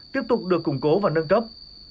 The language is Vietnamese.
tiếp tục được củng cố và nâng cấp